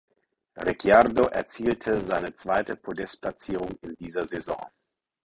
Ricciardo erzielte seine zweite Podestplatzierung in dieser Saison.